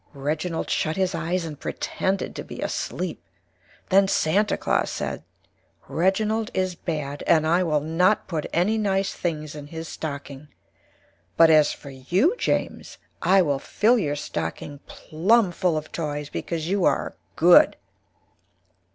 Reginald shut his Eyes and Pretended to be Asleep. Then Santa Claus Said, Reginald is Bad and I will not Put any nice Things in his Stocking. But as for you, James, I will Fill your Stocking Plum full of Toys, because You are Good.